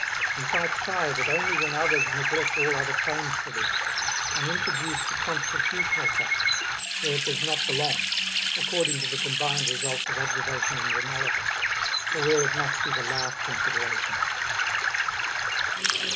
We fight shy of it only when others neglect all other claims for this, and introduce the constitutional factor where it does not belong according to the combined results of observation and analysis, or where it must be the last consideration.